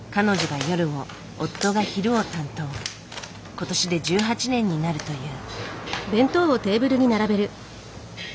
今年で１８年になるという。